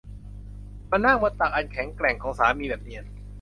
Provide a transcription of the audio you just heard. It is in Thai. มานั่งบนตักอันแข็งแกร่งของสามีแบบเนียน